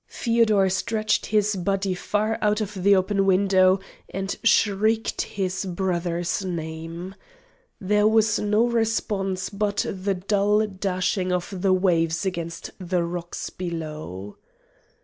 Feodor stretched his body far out of the open window and shrieked his brother's name. There was no response but the dull dashing of the waves against the rocks below.